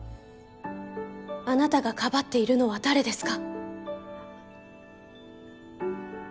あなたがかばっているのは誰ですか。